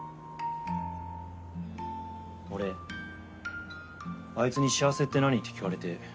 あいつに「幸せって何？」って聞かれて。